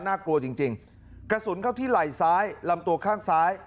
กลัวจริงจริงกระสุนเข้าที่ไหล่ซ้ายลำตัวข้างซ้าย